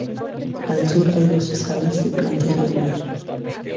Al sur hay dos salas de planta irregular.